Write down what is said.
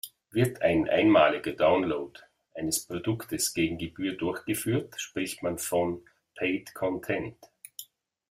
Wird ein einmaliger Download eines Produktes gegen Gebühren durchgeführt, spricht man von Paid Content.